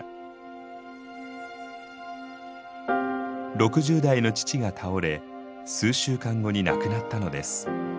６０代の父が倒れ数週間後に亡くなったのです。